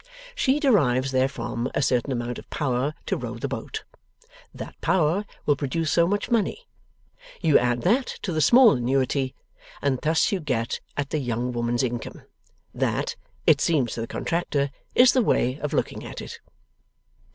She derives therefrom a certain amount of power to row the boat; that power will produce so much money; you add that to the small annuity; and thus you get at the young woman's income. That (it seems to the Contractor) is the way of looking at it.